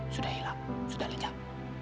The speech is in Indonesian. sudah hilang sudah lenyap